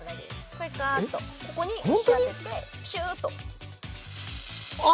これガッとここに押し当ててプシューッとあ！